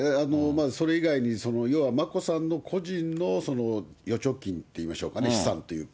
それ以外に要は眞子さんの個人の預貯金といいましょうかね、資産っていうか。